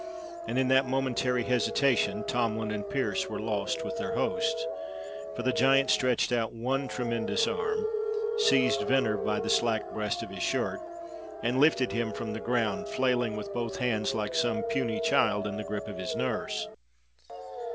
And in that momentary hesitation Tomlin and Pearse were lost with their host; for the giant stretched out one tremendous arm, seized Venner by the slack breast of his shirt, and lifted him from the ground, flailing with both hands like some puny child in the grip of his nurse.